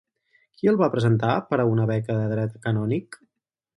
Qui el va presentar per a una beca de dret canònic?